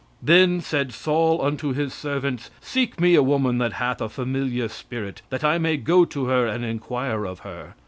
"Then said Saul unto his servants, Seek me a woman that hath a familiar spirit, that I may go to her, and inquire of her.